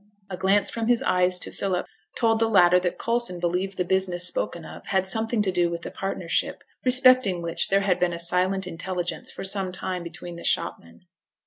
A glance from his eyes to Philip told the latter that Coulson believed the business spoken of had something to do with the partnership, respecting which there had been a silent intelligence for some time between the shopmen.